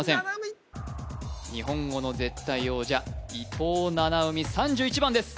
七海日本語の絶対王者伊藤七海３１番です